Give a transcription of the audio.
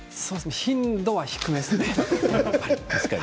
頻度は低めですね。